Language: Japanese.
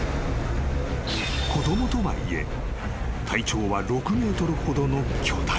［子供とはいえ体長は６ｍほどの巨体］